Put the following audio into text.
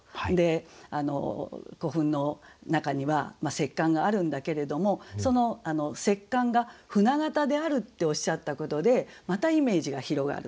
古墳の中には石棺があるんだけれどもその石棺が舟形であるっておっしゃったことでまたイメージが広がる。